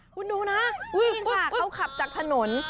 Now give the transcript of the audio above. คุณดูนะนี่ค่ะเขาขับจากถนน